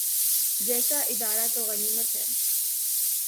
جیسا ادارہ تو غنیمت ہے۔